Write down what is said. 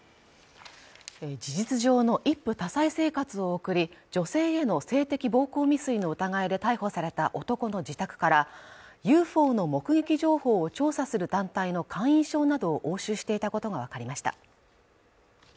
事実上の一夫多妻生活を送り女性への性的暴行未遂の疑いで逮捕された男の自宅からＵＦＯの目撃情報を調査する団体の会員証などを押収していたことが分かりました